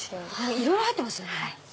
いろいろ入ってますよね